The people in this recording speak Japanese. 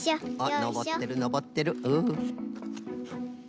あっのぼってるのぼってる。